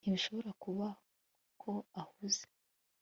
ntibishobora kuba ko ahuze